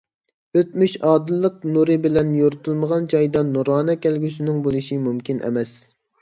ئۆتمۈش ئادىللىق نۇرى بىلەن يورۇتۇلمىغان جايدا نۇرانە كەلگۈسىنىڭ بولۇشى مۇمكىن ئەمەس.